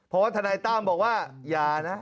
เพราะว่าทนายตั้มบอกว่าอย่านะ